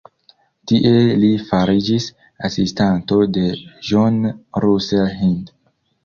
Tie li fariĝis asistanto de John Russell Hind.